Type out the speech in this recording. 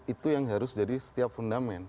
itu yang harus jadi setiap fundament